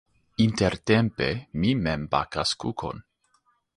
Intertempe mi mem bakas kukon.